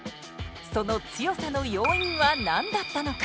その強さの要因は何だったのか。